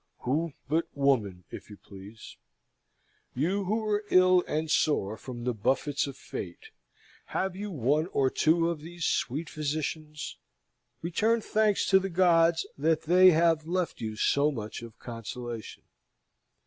Who but woman, if you please? You who are ill and sore from the buffets of Fate, have you one or two of these sweet physicians? Return thanks to the gods that they have left you so much of consolation.